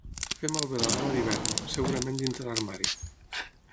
Fer malbé la roba d'hivern, segurament dins de l'armari.